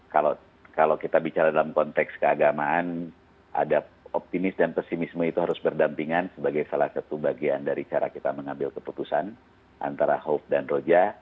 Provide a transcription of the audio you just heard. kalau kita bicara dalam konteks keagamaan ada optimis dan pesimisme itu harus berdampingan sebagai salah satu bagian dari cara kita mengambil keputusan antara hope dan roja